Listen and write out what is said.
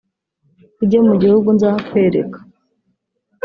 ujye mu gihugu nzakwereka